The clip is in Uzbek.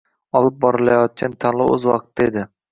Olib borilayotgan tanlov o‘z vaqtida edi.